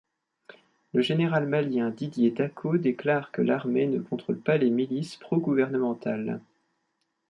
Le général malien Didier Dacko déclare que l'armée ne contrôle pas les milices pro-gouvernementales.